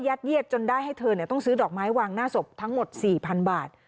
เยียดจนได้ให้เธอต้องซื้อดอกไม้วางหน้าศพทั้งหมด๔๐๐๐บาท